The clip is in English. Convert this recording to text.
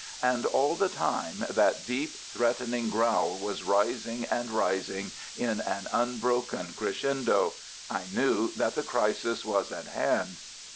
And all the time that deep, threatening growl was rising and rising in an unbroken crescendo. I knew that the crisis was at hand.